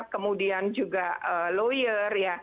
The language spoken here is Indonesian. kemudian juga lawyer